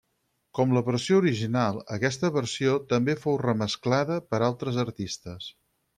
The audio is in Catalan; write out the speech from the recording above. Com la versió original, aquesta versió també fou remesclada per altres artistes.